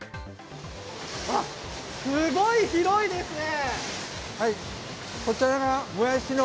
あっ、すごい広いですね。